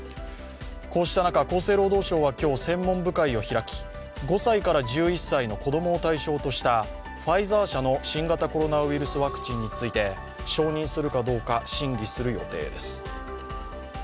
こうした中、厚生労働省は今日専門部会を開き５歳から１１歳の子供を対象としたファイザー社の新型コロナウイルスワクチンについて承認するかどうか、審議する予定です。